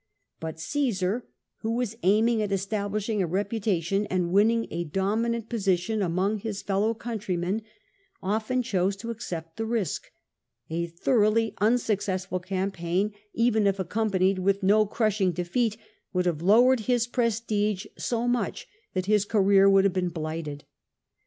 But Caesar, who was aiming at establishing a reputa tion and winning a dominant position among his fellow countrymen, often chose to accept the risk ; a thoroughly unsuccessful campaign, even if accompanied with no crushing defeat, would have lowered his prestige so much that his career would have been blighted.